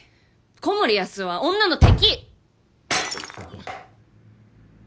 小森安生は女の敵！